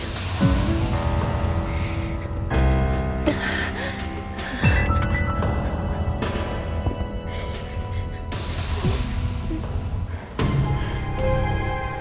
kok papa kecelakaan